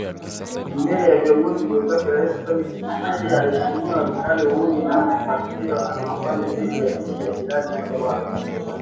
Mbele ya viongozi wenzake Rais Felix Tshisekedi alishutumu vikali uhuni na ukatili unaofanywa dhidi ya nchi ya jirani yake Rwanda